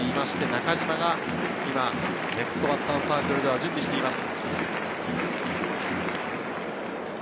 中島がネクストバッターズサークルで準備しています。